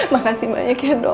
makasih banyak ya dok